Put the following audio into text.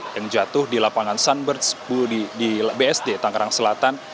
yang jatuh di lapangan sunbirds di psd tangkarang selatan